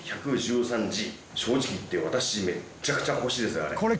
正直言って私めちゃくちゃ欲しいですあれ。